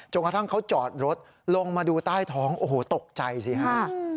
กระทั่งเขาจอดรถลงมาดูใต้ท้องโอ้โหตกใจสิฮะ